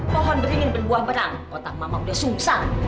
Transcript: pohon beringin berbuah merang kotak mama udah susah